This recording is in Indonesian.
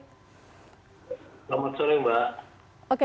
selamat sore mbak